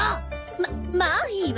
ままあいいわ。